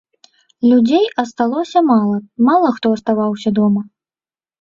Людзей асталося мала, мала хто аставаўся дома.